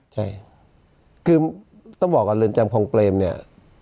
ใช่คือต้องบอกว่าเรือนจำคลองเปรมเนี่ย